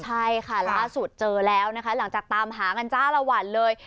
ใช่ค่ะล่าสุดเจอแล้วนะคะหลังจากตามหากันจ้าละวันเลย